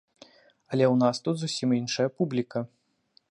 Але ў нас тут зусім іншая публіка.